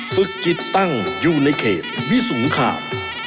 ฝึกกิจตั้งอยู่ในเขตวิสงคราม